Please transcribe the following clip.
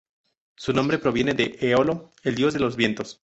Su nombre proviene de Eolo, el dios de los vientos.